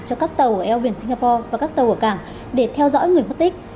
cho các tàu ở eo biển singapore và các tàu ở cảng để theo dõi người mất tích